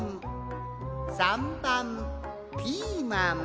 ３ばんピーマン。